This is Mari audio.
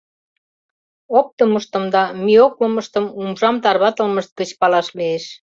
Оптымыштым да миоклымыштым умшам тарватылмышт гыч палаш лиеш.